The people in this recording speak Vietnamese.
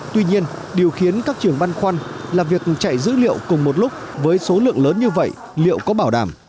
tuy nhiên điều khiến các trường băn khoăn là việc chạy dữ liệu cùng một lúc với số lượng lớn như vậy liệu có bảo đảm